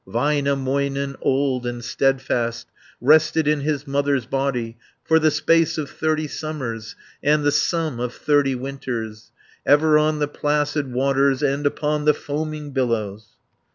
Väinämöinen, old and steadfast, Rested in his mother's body 290 For the space of thirty summers, And the sum of thirty winters, Ever on the placid waters, And upon the foaming billows.